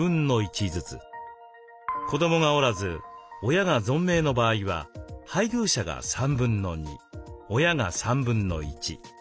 子どもがおらず親が存命の場合は配偶者が2/3親が1/3。